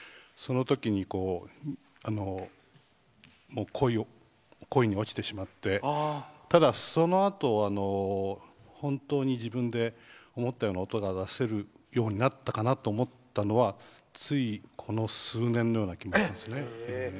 そのときに恋に落ちてしまってただ、そのあと本当に自分で思ったような音が出せるようになったかなと思ったのは、ついこの数年前になってからですね。